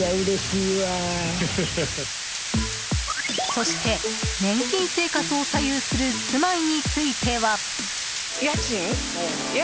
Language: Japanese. そして年金生活を左右する住まいについては。